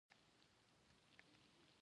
چې د ژړا دېوال ته سیده لاره د دوی شي.